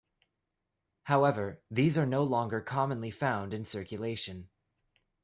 However, these are no longer commonly found in circulation.